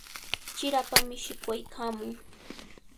Chirapami shikwaykaamun.